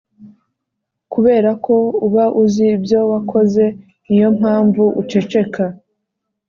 kubera ko uba uzi ibyo wakoze niyompamvu uceceka